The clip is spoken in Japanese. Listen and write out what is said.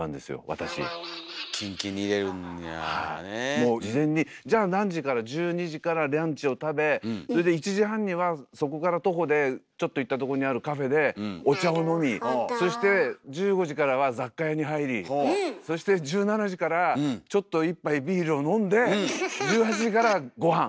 もう事前にじゃあ何時から１２時からランチを食べそれで１時半にはそこから徒歩でちょっと行ったとこにあるカフェでお茶を飲みそして１５時からは雑貨屋に入りそして１７時からちょっと一杯ビールを飲んで１８時からごはん！